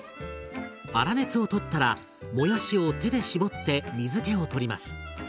粗熱を取ったらもやしを手で絞って水けを取ります。